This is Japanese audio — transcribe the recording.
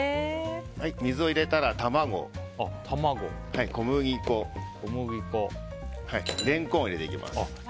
水を入れたら、卵小麦粉、レンコンを入れていきます。